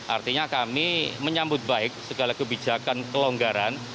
artinya kami menyambut baik segala kebijakan kelonggaran